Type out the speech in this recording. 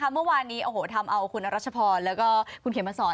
เมื่อวานนี้ทำเอาคุณรัชพรแล้วก็คุณเขียนมาสอน